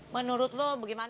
menurut lo bagaimana